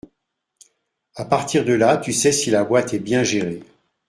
à partir de là tu sais si la boîte est bien gérée.